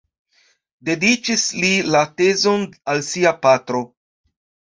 Dediĉis li la tezon al sia patro.